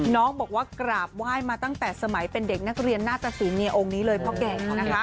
น้องบอกว่ากราบไหว้มาตั้งแต่สมัยเป็นเด็กนักเรียนหน้าตสินองค์นี้เลยพ่อแก่นะคะ